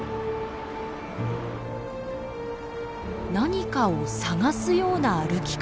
何かを探すような歩き方。